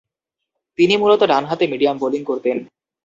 তিনি মূলতঃ ডানহাতে মিডিয়াম বোলিং করতেন।